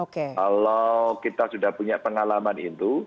kalau kita sudah punya pengalaman itu